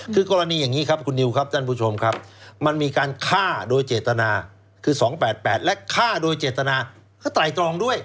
คือกรณีอย่างนี้ครับคุณนิวครับท่านผู้ชมครับมันมีการฆ่าโดยเจตนาคือ๒๘๘และฆ่าโดยเจตนาก็ไตรตรองด้วย